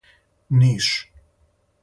Ниш